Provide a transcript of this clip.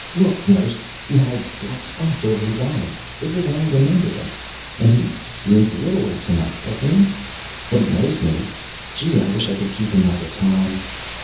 Look, nurse. He has black spots over his eyes, bigger than I remembered them. And he seems littler tonight, doesn't he? But he knows me. Gee, I wish I could keep him all the time."